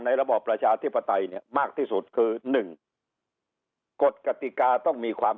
ระบอบประชาธิปไตยเนี่ยมากที่สุดคือ๑กฎกติกาต้องมีความ